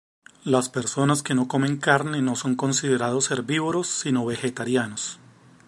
Las personas que no comen carne no son considerados herbívoros, sino vegetarianos.